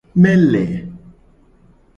Mele.